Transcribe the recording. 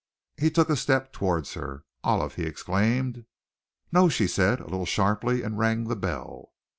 He took a step towards her. "Olive!" he exclaimed. "No!" she said, a little sharply, and rang the bell.